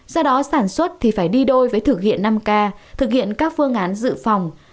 do đó sản xuất thì phải đi đôi với thực hiện năm k thực hiện các phương án dự phòng